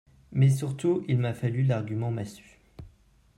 Mais surtout, il m’a fallu l’argument massue.